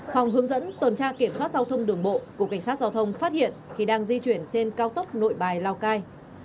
phòng hướng dẫn tuần tra kiểm soát giao thông đường bộ cục cảnh sát giao thông phát hiện khi đang di chuyển trên cao tốc nội bài lào cai